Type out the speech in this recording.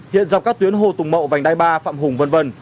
hiện dọc các tuyến hồ tùng mậu vành đai ba phạm hùng v v